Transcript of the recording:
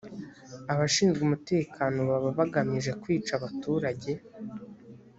abashinzwe umutekano baba bagamije kwica abaturage